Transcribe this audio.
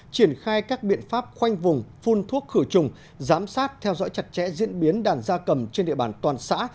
triển khai các biện pháp khoanh vùng phun thuốc khử trùng giám sát theo dõi chặt chẽ diễn biến đàn gia cầm trên địa bàn toàn xã